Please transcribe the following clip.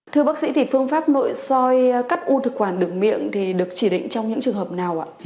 thưa bác sĩ thì phương pháp nội soi cắt u thực quản đường miệng thì được chỉ định trong những trường hợp nào ạ